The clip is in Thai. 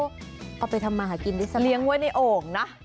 ก็ไปทำมาหากินได้สม่ำเลี้ยงไว้ในโอ่งนะ